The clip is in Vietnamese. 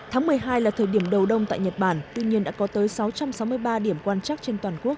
tháng một mươi hai là thời điểm đầu đông tại nhật bản tuy nhiên đã có tới sáu trăm sáu mươi ba điểm quan chắc trên toàn quốc